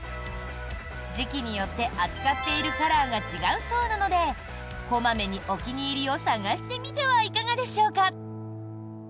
時期によって扱っているカラーが違うそうなので小まめにお気に入りを探してみてはいかがでしょうか？